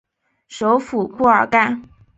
首府布尔干。